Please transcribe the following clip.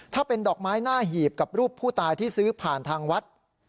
ถ้าเป็นดอกไม้หน้าหีบกับรูปผู้ตายที่ซื้อผ่านทางวัด